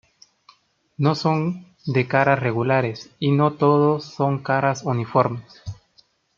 No son de caras regulares y no todos son de caras uniformes.